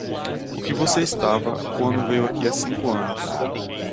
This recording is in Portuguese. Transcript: O que você estava quando veio aqui há cinco anos?